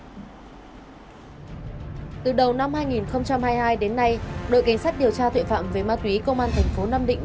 từ đầu năm hai nghìn hai mươi hai đến nay đội cảnh sát điều tra tội phạm về ma túy công an thành phố nam định